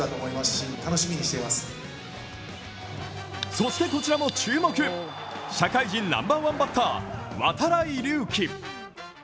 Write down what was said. そしてこちらも注目、社会人ナンバーワンバッター、度会隆輝。